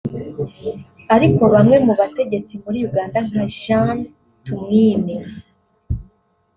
ariko bamwe mu bategetsi muri Uganda nka Gen Tumwine